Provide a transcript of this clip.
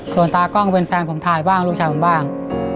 ส่วนตากล้องเป็นแฟนผมถ่ายบ้างลูกชายผมบ้าง